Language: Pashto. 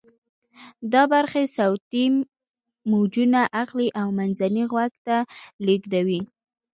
دا برخې صوتی موجونه اخلي او منځني غوږ ته لیږدوي.